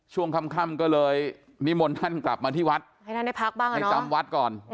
ช่วงค่ำก็เลยนิมนต์ท่านกลับมาที่วัดให้ท่านได้พักบ้างให้จำวัดก่อน